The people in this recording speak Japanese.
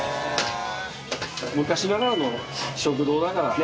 昔ながらの食堂だからね。